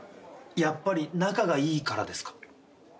やっぱり仲がいいからですか？